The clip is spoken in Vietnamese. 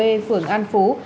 phường an phú